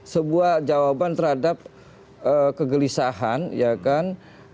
sebuah jawaban terhadap kegelisahan ya kan